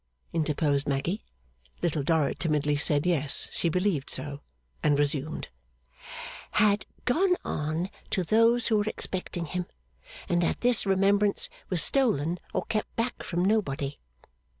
interposed Maggy. Little Dorrit timidly said Yes, she believed so; and resumed: ' Had gone on to those who were expecting him, and that this remembrance was stolen or kept back from nobody.